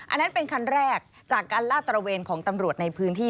อันนั้นเป็นคันแรกจากการลาดตระเวนของตำรวจในพื้นที่